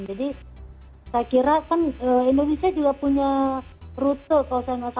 jadi saya kira kan indonesia juga punya rute kalau saya mengerti